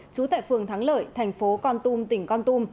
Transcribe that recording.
trú tại phường thắng lợi thành phố con tum tỉnh con tum